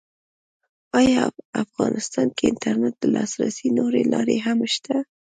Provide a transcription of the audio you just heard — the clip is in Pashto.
ایا افغانستان کې انټرنېټ ته د لاسرسي نورې لارې هم شته؟